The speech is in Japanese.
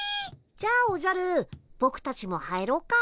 じゃあおじゃるぼくたちも入ろっか。